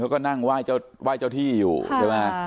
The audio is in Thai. เขาก็นั่งไหว้เจ้าที่อยู่ใช่ไหม